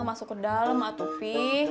masuk ke dalam atopi